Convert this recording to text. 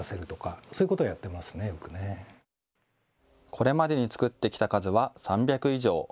これまでに作ってきた数は３００以上。